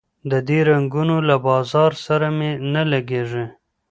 د دې رنګونو له بازار سره مي نه لګیږي